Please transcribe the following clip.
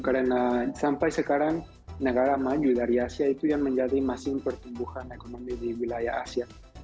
karena sampai sekarang negara maju dari asia itu yang menjadi masing pertumbuhan ekonomi di wilayah asia